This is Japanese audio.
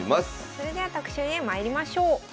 それでは特集へまいりましょう。